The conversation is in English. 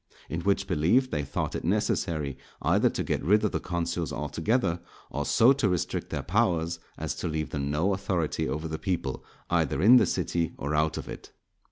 In which belief they thought it necessary either to get rid of the consuls altogether, or so to restrict their powers as to leave them no authority over the people, either in the city or out of it.